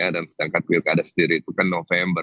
dan sedangkan pilkada sendiri itu kan november